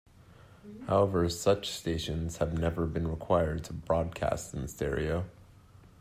However, such stations have never been required to broadcast in stereo.